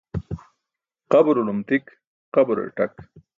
Qaburulum tik qaburar ṭak.